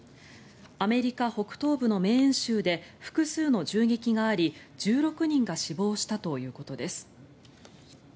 アメリカ北東部のメーン州で複数の銃撃があり１６人が死亡したということです。